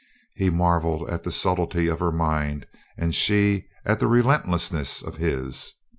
He marvelled at the subtlety of her mind, and she at the relentlessness of his.